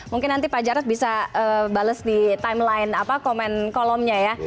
mungkin nanti pak jarod bisa bales di timeline komen kolomnya ya